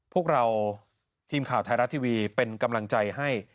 พวกเราทีมข่าวไทยรัฐทีวีเป็นกำลังใจให้